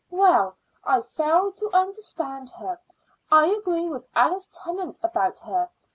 "Well, I fail to understand her. I agree with Alice Tennant about her.